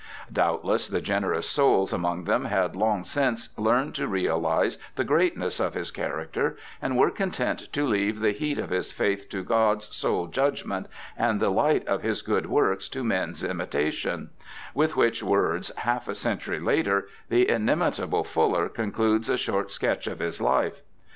Doubtless the generous souls among them had long since learned to realize the greatness of his character, and were content to leave ' the heat of his faith to God's sole judgement, and the light of his good works to men's imitation ', with which words, half a century later, the inimitable Fuller concludes a short sketch of his life.